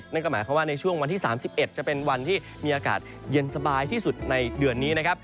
นั่นก็หมายความว่าในช่วงวันที่๓๑จะเป็นวันที่มีอากาศเย็นสบายที่สุดในเดือนนี้นะครับ